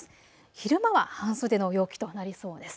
昼間は半袖の陽気となりそうです。